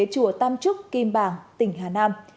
chùa tam trúc kim bàng tỉnh hà nam